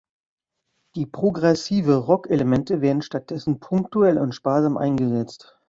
Die Progressive Rock-Elemente werden stattdessen punktuell und sparsam eingesetzt.